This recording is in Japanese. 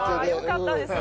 よかったです。